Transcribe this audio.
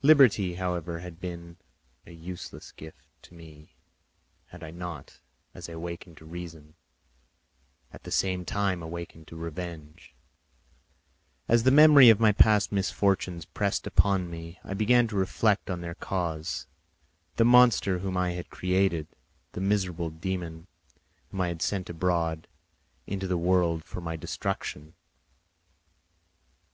Liberty, however, had been a useless gift to me, had I not, as I awakened to reason, at the same time awakened to revenge. As the memory of past misfortunes pressed upon me, I began to reflect on their cause—the monster whom I had created, the miserable dæmon whom I had sent abroad into the world for my destruction.